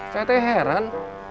saya tuh heran